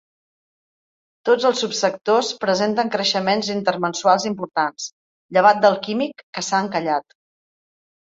Tots els subsectors presenten creixements intermensuals importants, llevat del químic, que s’ha encallat.